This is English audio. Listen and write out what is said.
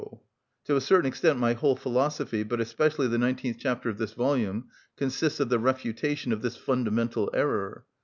_" To a certain extent my whole philosophy, but especially the nineteenth chapter of this volume, consists of the refutation of this fundamental error.